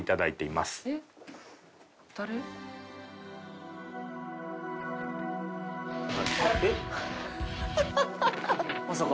まさか。